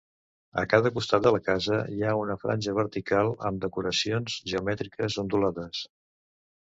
A cada costat de la casa hi ha una franja vertical amb decoracions geomètriques ondulades.